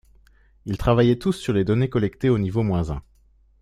Ils travaillent tous sur les données collectées au niveau moins un.